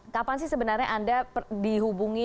kapan sih sebenarnya anda dihubungi